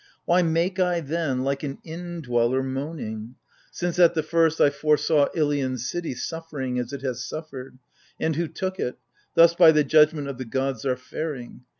Why make I then, like an indweller, moaning ? Since at the first I foresaw Ilion's city Suffering as it has suffered : and who took it, Thus by the judgment of the gods are faring.